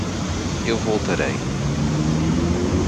Eu voltarei.